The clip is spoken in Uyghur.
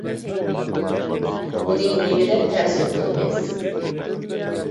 بۇنى نېمە دەپ تەرجىمە قىلىمىز؟